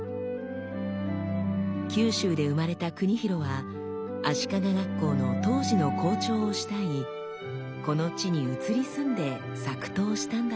九州で生まれた国広は足利学校の当時の校長を慕いこの地に移り住んで作刀したんだとか。